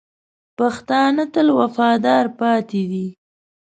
پښتانه تل وفادار پاتې دي.